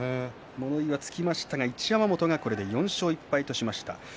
物言いはつきましたが一山本が４勝１敗としました。